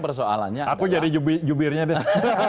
persoalannya aku jadi jubirnya deh